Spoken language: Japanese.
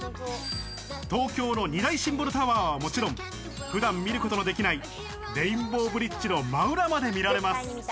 東京の２大シンボルタワーはもちろん、普段見ることのできないレインボーブリッジの真裏まで見られます。